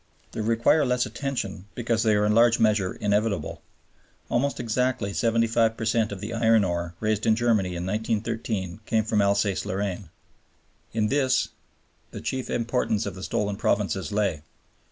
They require less attention, because they are in large measure inevitable. Almost exactly 75 per cent of the iron ore raised in Germany in 1913 came from Alsace Lorraine. In this the chief importance of the stolen provinces lay.